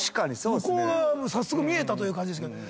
向こう側早速見えたという感じですけどね。